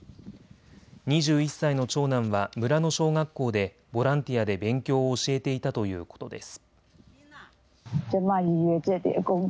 ２１歳の長男は村の小学校でボランティアで勉強を教えていたということです。